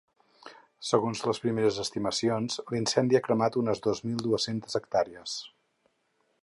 Segons les primeres estimacions, l’incendi ha cremat unes dos mil dues-centes hectàrees.